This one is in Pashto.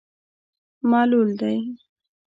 معلول دی.